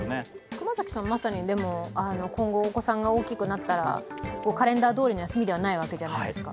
熊崎さん、まさに今後お子さんが大きくなったらカレンダーどおりの休みではないわけじゃないですか。